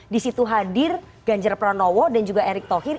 di situ hadir ganjar pranowo dan juga erick thohir